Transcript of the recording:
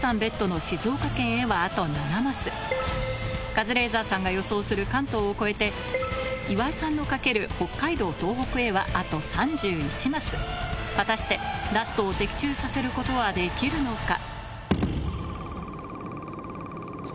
ＢＥＴの静岡県へはあと７マスカズレーザーさんが予想する関東を越えて岩井さんの賭ける北海道・東北へはあと３１マス果たしてラストを的中させることはできるのか？